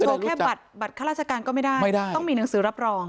แค่บัตรบัตรข้าราชการก็ไม่ได้ไม่ได้ต้องมีหนังสือรับรอง